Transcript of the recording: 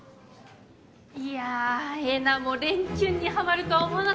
いやぁえなも蓮きゅんにハマるとは思わなかった。